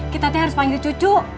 kita harus panggil cucu